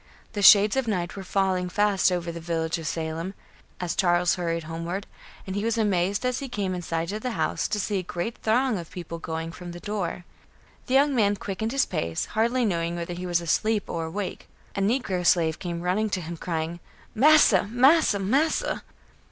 The shades of night were falling fast over the village of Salem, as Charles hurried homeward, and he was amazed as he came in sight of the house, to see a great throng of people going away from the door. The young man quickened his pace, hardly knowing whether he was asleep or awake. A negro slave came running toward him crying: "Massa! Massa! Massa!"